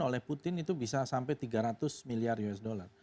oleh putin itu bisa sampai tiga ratus miliar usd